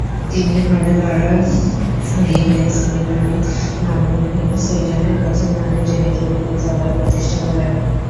তিনি হরে লারারিনেসমিনারিত নামের সুইডেনের প্রথম নারী টেরিটরি বিদ্যালয় প্রতিষ্ঠা করেন।